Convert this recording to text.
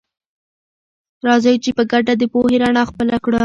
راځئ چې په ګډه د پوهې رڼا خپله کړه.